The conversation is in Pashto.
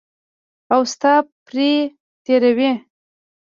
او سات پرې تېروي.